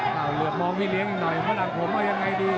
เอาเหลือมองพี่เลี้ยงหน่อยเพราะหลังผมเอายังไงดี